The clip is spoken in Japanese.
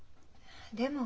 でも。